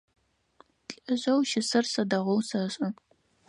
Лӏыжъэу щысыр сэ дэгъоу сэшӏэ.